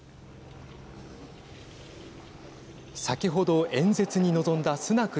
先ほど演説に臨んだスナク